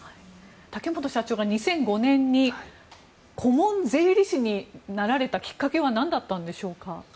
竹本社長が２００５年に顧問税理士になられたきっかけは何だったんでしょうか。